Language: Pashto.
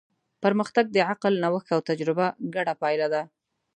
پرمختګ د عقل، نوښت او تجربه ګډه پایله ده.